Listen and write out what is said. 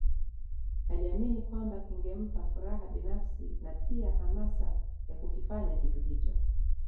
Aliamini kwamba kingempa furaha binafsi na pia hamasa ya kukifanya kitu hicho